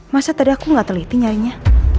masa tadi aku gak teliti nyanyinya